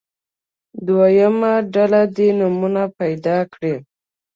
دویمه ډله دې نومونه پیدا کړي.